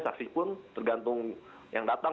saksi pun tergantung yang datang